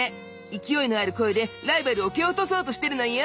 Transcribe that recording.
勢いのある声でライバルを蹴落とそうとしてるのよ。